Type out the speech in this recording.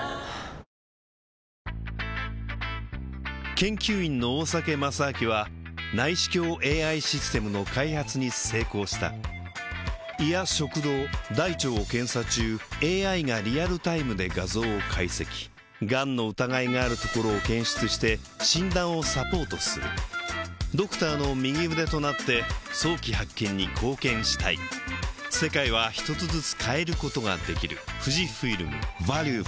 研究員の大酒正明は内視鏡ＡＩシステムの開発に成功した胃や食道大腸を検査中ＡＩがリアルタイムで画像を解析がんの疑いがあるところを検出して診断をサポートするドクターの右腕となって早期発見に貢献したい今、第５ゲームです。